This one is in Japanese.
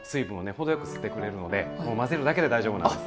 程よく吸ってくれるので混ぜるだけで大丈夫なんです。